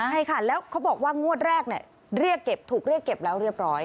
ใช่ค่ะแล้วเขาบอกว่างวดแรกเรียกเก็บถูกเรียกเก็บแล้วเรียบร้อย